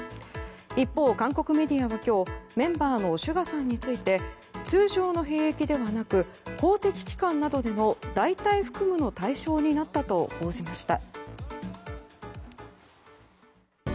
一方、韓国メディアは今日メンバーのＳＵＧＡさんについて通常の兵役ではなく公的機関などでの代替服務の対象になったと報じました。